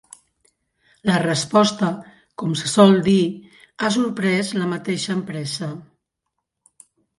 La resposta, com se sol dir, ha sorprès la mateixa empresa.